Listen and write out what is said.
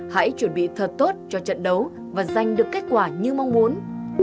hãy chuẩn bị thật tốt cho trận đấu và giành được kết quả như mong muốn